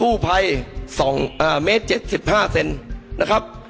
กู้ภัย๒เมตร๗๕เซนนะครับ